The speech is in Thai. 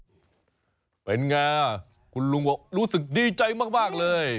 เป็นไงคุณลุงบอกรู้สึกดีใจมากเลย